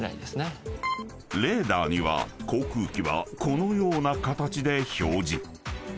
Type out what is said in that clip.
［レーダーには航空機はこのような形で表示］